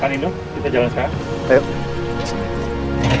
kan nino kita jalan sekarang